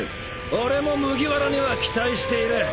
俺も麦わらには期待している。